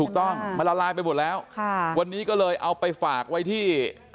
ถูกต้องมันละลายไปหมดแล้วค่ะวันนี้ก็เลยเอาไปฝากไว้ที่